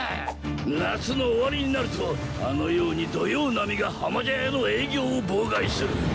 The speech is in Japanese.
夏の終わりになるとあのように土用波が浜茶屋の営業を妨害する。